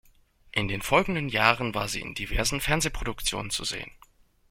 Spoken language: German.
In den folgenden Jahren war sie in diversen Fernsehproduktionen zu sehen.